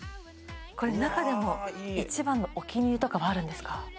これ中でも一番のお気に入りとかはあるんですか？